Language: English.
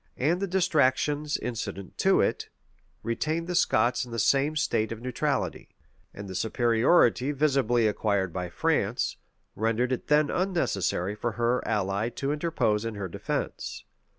and the distractions incident to it, retained the Scots in the same state of neutrality; and the superiority visibly acquired by France, rendered it then unnecessary for her ally to interpose in her defence.